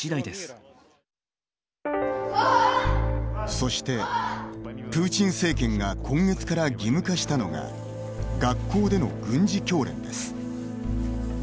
そしてプーチン政権が今月から義務化したのが学校での軍事教練です。